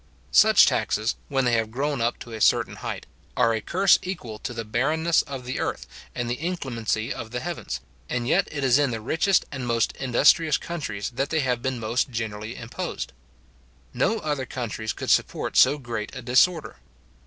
Such taxes, when they have grown up to a certain height, are a curse equal to the barrenness of the earth, and the inclemency of the heavens, and yet it is in the richest and most industrious countries that they have been most generally imposed. No other countries could support so great a disorder.